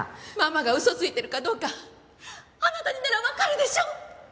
ママがウソついてるかどうかあなたにならわかるでしょ！